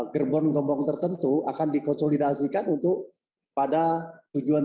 gerbong gerbong tertentu akan dikonsolidasikan untuk pada tujuan